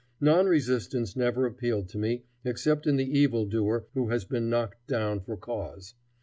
Non resistance never appealed to me except in the evildoer who has been knocked down for cause.